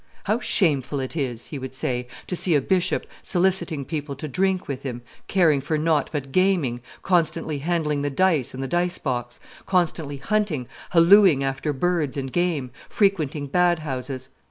"How shameful it is," he would say, "to see a bishop soliciting people to drink with him, caring for nought but gaming, constantly handling the dice and the dice box, constantly hunting, hallooing after birds and game, frequenting bad houses!